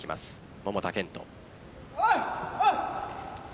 桃田賢斗。